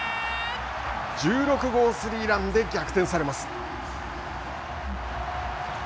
１６号スリーランで逆転されます。